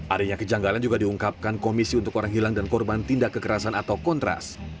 adanya kejanggalan juga diungkapkan komisi untuk orang hilang dan korban tindak kekerasan atau kontras